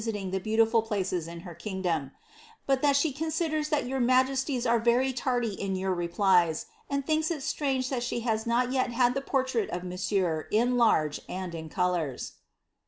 255 mting the beaotifol places in her kin^om ; but that ^he conzfkJers that yoiir majesties are very tardy in your replies, and thinks it strange that the has not yet had the portrait of monsieur in large, and in colours.''